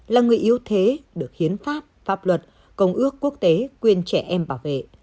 là người yếu thế được hiến pháp pháp luật công ước quốc tế quyền trẻ em bảo vệ